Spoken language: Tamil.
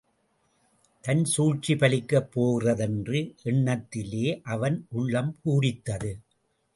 தன் சூழ்ச்சி பலிக்கப் போகிறதென்ற எண்ணத்திலே அவன் உள்ளம் பூரித்தது.